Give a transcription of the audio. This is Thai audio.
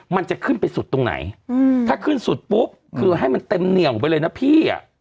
มันจะขึ้นไปสุดตรงไหนถ้าขึ้นสุดปุ๊บคือให้มันเต็มเหนียวไปเลยนะพี่อ่ะ